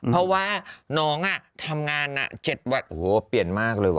เพราะว่าน้องอ่ะทำงานอ่ะ๗วันโหเปลี่ยนมากเลยว่ะ